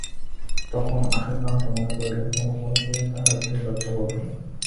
তখন আসল কারণটা মনে পড়িল এবং মনে পড়িয়া তাহার ভারি লজ্জা বোধ হইল।